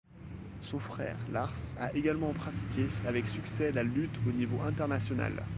Son frère Lars a également pratiqué avec succès la lutte au niveau international.